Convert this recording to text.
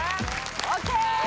ＯＫ！